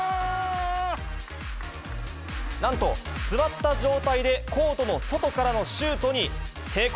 なんと、座った状態でコートの外からのシュートに成功。